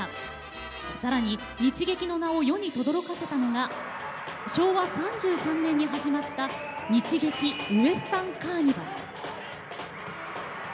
さらに日劇の名を世にとどろかせたのが昭和３３年に始まった日劇ウエスタンカーニバル。